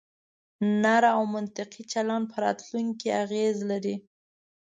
نرم او منطقي چلن په راتلونکي اغیز لري.